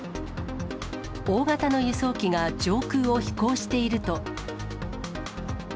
大型の輸送機が上空を飛行していると。